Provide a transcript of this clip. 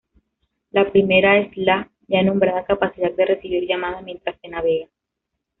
La primera es la, ya nombrada capacidad de recibir llamada mientras se navega.